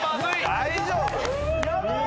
大丈夫？